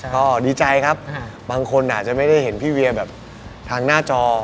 ก็ดีใจครับบางคนอาจจะไม่ได้เห็นพี่เวียแบบทางหน้าจอ